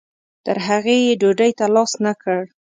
تر هغې یې ډوډۍ ته لاس نه کړ.